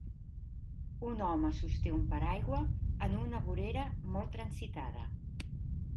Un home sosté un paraigua en una vorera molt transitada.